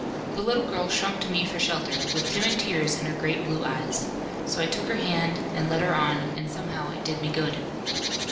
The little girl shrunk to me for shelter, with timid tears in her great blue eyes. So I took her hand, and led her on, and somehow it did me good.